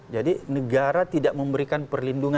jadi negara tidak memberikan perlindungan